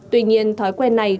tuy nhiên thói quen này